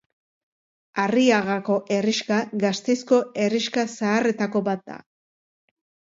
Arriagako herrixka Gasteizko herrixka zaharretako bat da.